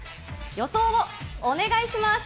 予想をお願いします。